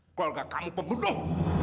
keluarga kamu pembunuh